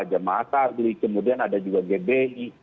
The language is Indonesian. jemaat agri kemudian ada juga gbi